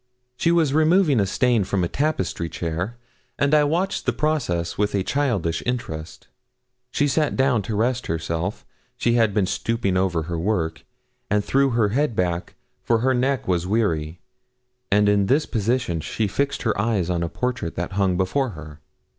She was removing a stain from a tapestry chair, and I watched the process with a childish interest. She sat down to rest herself she had been stooping over her work and threw her head back, for her neck was weary, and in this position she fixed her eyes on a portrait that hung before her.